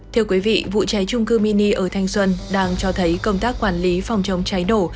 thưa quý vị vụ cháy trung cư mini ở thanh xuân đang cho thấy công tác quản lý phòng chống cháy nổ